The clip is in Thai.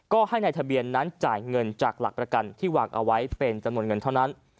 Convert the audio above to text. ก็ให้ในทะเบียนนั้นจ่ายเงินจากหลักประกันที่วางเอาไว้เป็นจำนวนเงินเท่านั้น